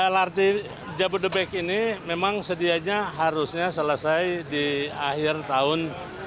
lrt jabodebek ini memang sedianya harusnya selesai di akhir tahun dua ribu dua puluh satu